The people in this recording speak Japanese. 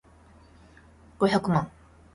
五百万